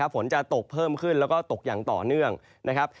ฝนจะตกเพิ่มขึ้นแล้วก็ตกอย่างต่อเนื่องนะครับ